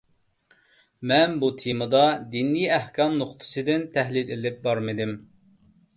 مەن بۇ تېمىدا دىنىي ئەھكام نۇقتىسىدىن تەھلىل ئېلىپ بارمىدىم.